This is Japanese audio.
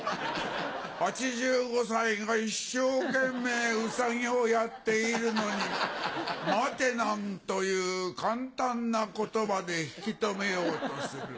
８５歳が一生懸命ウサギをやっているのに「待て」などという簡単な言葉で引き留めようとする。